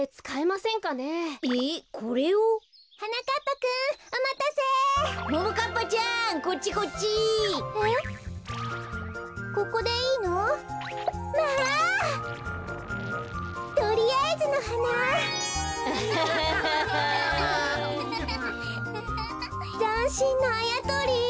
ざんしんなあやとり！